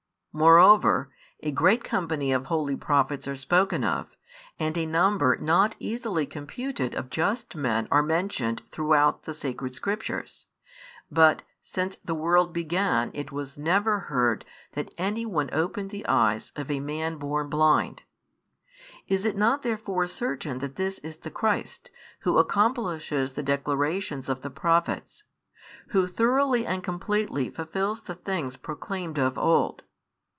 Moreover, a great company of holy prophets are spoken of, and a number not easily computed of just men are mentioned throughout the Sacred Scriptures, but since the world began it was never heard that any one opened the eyes of a man born blind. Is it not therefore certain that this is the Christ, Who accomplishes the declarations of the Prophets, Who thoroughly and completely fulfils the things proclaimed of old?